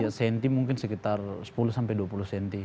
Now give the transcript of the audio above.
ya cm mungkin sekitar sepuluh sampai dua puluh cm